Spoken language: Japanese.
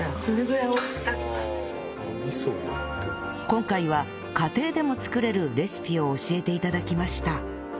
今回は家庭でも作れるレシピを教えて頂きました